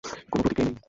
কোনও প্রতিক্রিয়াই নেই?